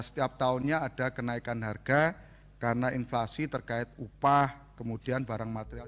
setiap tahunnya ada kenaikan harga karena inflasi terkait upah kemudian barang material